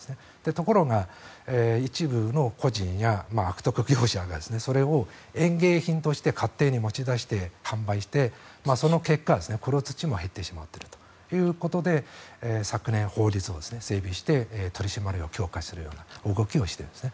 ところが一部の個人や悪徳業者がそれを園芸品として勝手に持ち出して販売してその結果、黒土も減ってしまっているということで昨年、法律を整備して取り締まりを強化するような動きをしているんです。